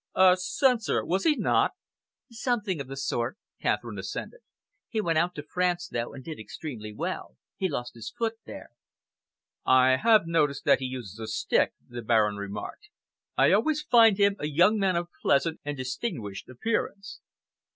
"A censor, was he not?" "Something of the sort," Catherine assented. "He went out to France, though, and did extremely well. He lost his foot there." "I have noticed that he uses a stick," the Baron remarked. "I always find him a young man of pleasant and distinguished appearance."